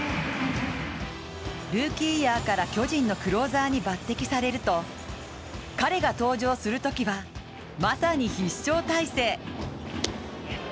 ルーキーイヤーから巨人のクローザーに抜てきされると彼が登場するときは、まさに必勝態勢。